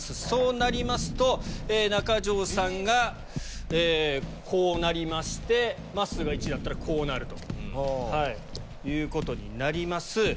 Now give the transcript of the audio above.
そうなりますと中条さんがこうなりましてまっすーが１位だったらこうなるということになります。